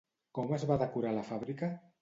Com es va decorar la fàbrica?